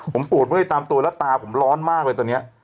ผมปวดเมื่อยตามตัวแล้วตาผมร้อนมากเลยตอนนี้